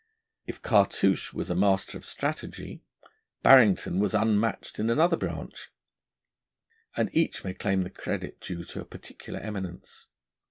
If Cartouche was a master of strategy, Barrington was unmatched in another branch; and each may claim the credit due to a peculiar eminence.